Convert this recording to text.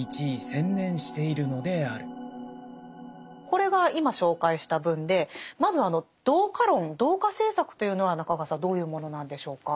これが今紹介した文でまずあの同化論同化政策というのは中川さんどういうものなんでしょうか。